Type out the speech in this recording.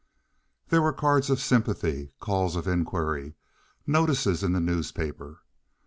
There were cards of sympathy, calls of inquiry, notices in the newspaper.